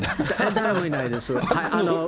誰もいないです。